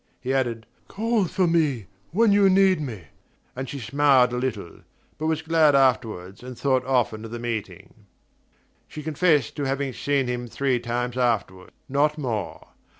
He added: "Call for me when you need me," and she smiled a little, but was glad afterward, and thought often of the meeting. She confessed to having seen him three times afterward: not more.